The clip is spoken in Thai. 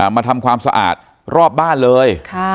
มาทำความสะอาดรอบบ้านเลย